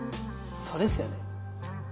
そうですよね。